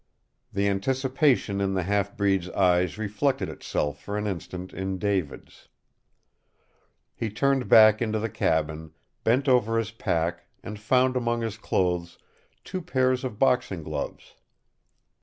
The anticipation in the half breed's eyes reflected itself for an instant in David's. He turned back into the cabin, bent over his pack, and found among his clothes two pairs of boxing gloves.